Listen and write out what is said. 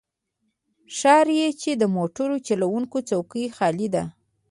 ښکاري چې د موټر چلوونکی څوکۍ خالي ده.